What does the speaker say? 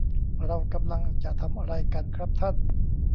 เรากำลังจะทำอะไรกันครับท่าน